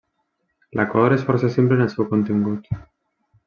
L'acord és força simple en el seu contingut.